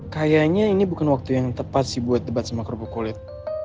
kayaknya ini bukan waktu yang tepat sih buat debat sama kerupuk kulit